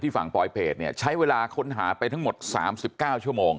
ที่ฝั่งปลอยเผจเนี่ยใช้เวลาค้นหาไปทั้งหมดสามสิบเก้าชั่วโมง